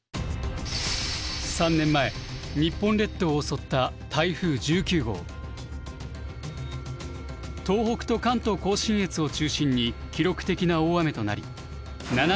３年前日本列島を襲った東北と関東甲信越を中心に記録的な大雨となりあっ！